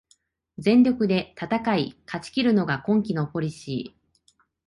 全力で戦い勝ちきるのが今季のポリシー